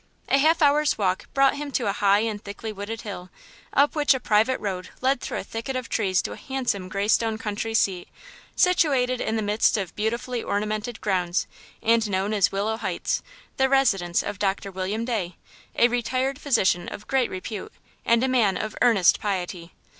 A half hour's walk brought him to a high and thickly wooded hill, up which a private road led through a thicket of trees to a handsome graystone country seat, situated in the midst of beautifully ornamented grounds and known as Willow Heights, the residence of Dr. William Day, a retired physician of great repute, and a man of earnest piety.